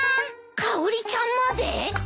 かおりちゃんまで？